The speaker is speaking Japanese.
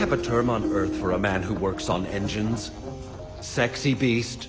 「セクシービースト」。